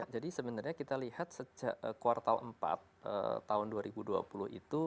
jadi sebenarnya kita lihat sejak kuartal empat tahun dua ribu dua puluh itu